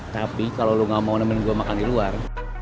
tapi kalau lo gak mau nemenin gue makan di luar